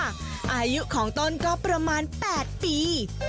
อายุของต้นก็ประมาณ๘ปี